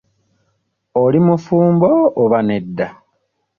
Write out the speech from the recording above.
Oli mufumbo oba nedda?